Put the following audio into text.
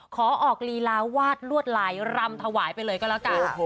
ขอออกลีลาวาดลวดลายรำถวายไปเลยก็แล้วกัน